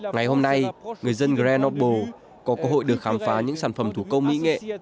ngày hôm nay người dân grenoble có cơ hội được khám phá những sản phẩm thủ công mỹ nghệ